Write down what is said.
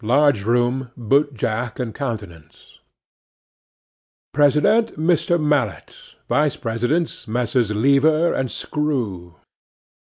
LARGE ROOM, BOOT JACK AND COUNTENANCE. President—Mr. Mallett. Vice Presidents—Messrs. Leaver and Scroo.